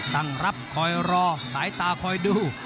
ตั้งรับคอยรอสายตาคอยดู